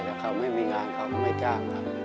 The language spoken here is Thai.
แต่เขาไม่มีงานเขาก็ไม่จ้างครับ